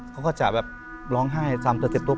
เขาก็จะแบบร้องไห้๓๗ตัวไป